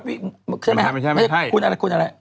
ใช่มั้ยคุณอะไร